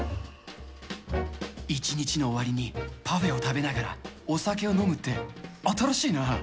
一日の終わりにパフェを食べながらお酒を飲むって新しいな。